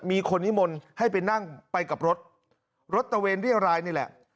มีคนนิมนต์ให้ไปนั่งไปกับรถรถตะเวนเรียรายนี่แหละ